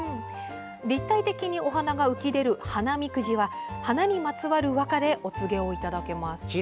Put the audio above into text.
立体的にお花が浮き出る華みくじは花にまつわる和歌でお告げをいただけます。